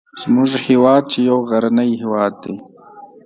زموږ هیواد چې یو غرنی هیواد دی